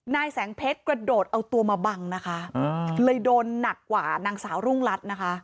นายแสงเพชรกระโดดเอาตัวมาบังนะคะเลยโดนหนักกว่านางสาวรุ่งรัฐนะคะ